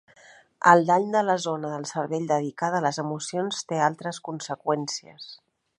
El dany de la zona del cervell dedicada a les emocions té altres conseqüències.